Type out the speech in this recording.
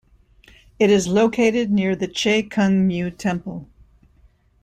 It is located near the Che Kung Miu temple.